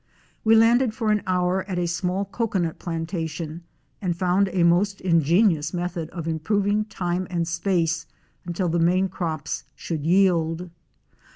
We landed for an hour at a small cocoanut plantation and found a most ingenious method of improving time and space until the main crops should yield.